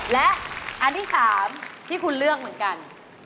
และอันที่๓ที่คุณเลือกเหมือนกัน